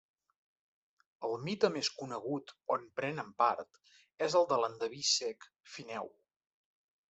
El mite més conegut on prenen part és el de l'endeví cec Fineu.